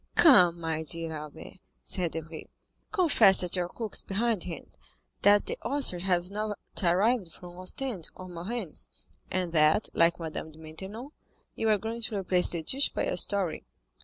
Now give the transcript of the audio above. "Come, my dear Albert," said Debray, "confess that your cook is behindhand, that the oysters have not arrived from Ostend or Marennes, and that, like Madame de Maintenon, you are going to replace the dish by a story.